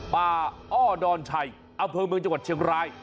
ป่าอ้อดอนชัยอำเภอเมืองจังหวัดเชียงราย